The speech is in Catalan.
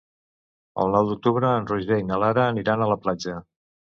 El nou d'octubre en Roger i na Lara aniran a la platja.